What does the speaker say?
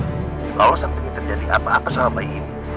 kalau seandainya terjadi apa apa sama bayi ini